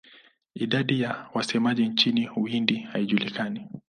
Idadi ya wasemaji nchini Uhindi haijulikani.